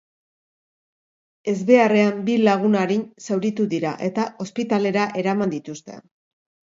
Ezbeharrean bi lagun arin zauritu dira, eta ospitalera eraman dituzte.